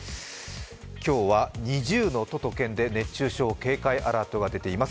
今日は２０の都と県で熱中症警戒アラートが出ています。